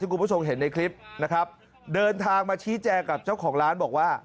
คุณผู้ชมเห็นในคลิปนะครับเดินทางมาชี้แจงกับเจ้าของร้านบอกว่า